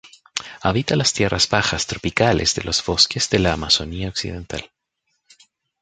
Habita las tierras bajas tropicales de los bosques de la Amazonía occidental.